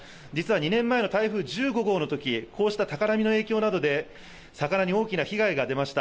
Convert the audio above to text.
２年前の台風１５号のときこうした高波の影響などで魚に大きな影響が出ました。